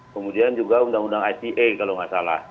kemudian juga undang undang ite kalau nggak salah